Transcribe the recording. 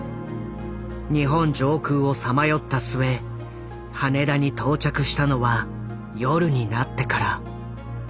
日本上空をさまよった末羽田に到着したのは夜になってから。